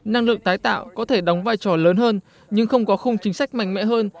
năng lượng tái tạo có thể đóng vai trò lớn hơn nhưng không có khung chính sách mạnh mẽ hơn